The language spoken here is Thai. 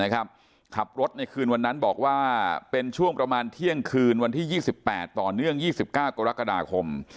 ขับรถในคืนวันนั้นบอกว่าเป็นช่วงประมาณเที่ยงคืนวันที่๒๘ต่อเนื่อง๒๙กรกฎาคม